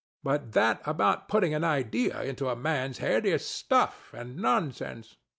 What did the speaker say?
But that about putting an idea into a man's head is stuff and nonsense.